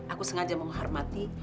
aku sengaja mengharmati